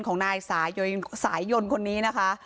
ของนายสายยนต์คนนี้นะคะ